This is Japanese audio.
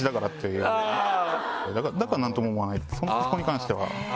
だから何とも思わないそこに関しては。